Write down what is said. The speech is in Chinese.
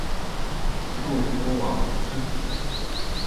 他是杜夫王之子。